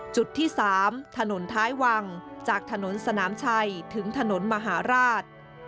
จุดที่๓ถนนท้ายวังจากถนนสนามชัยถึงถนนมหาราช